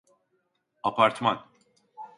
Apartman.